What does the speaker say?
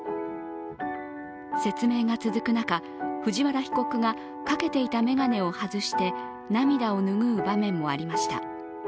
説明が続く中、藤原被告がかけていた眼鏡を外して涙を拭う場面もありました。